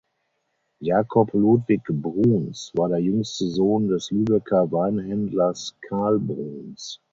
Jakob Ludwig Bruhns war der jüngste Sohn des Lübecker Weinhändlers Karl Bruhns.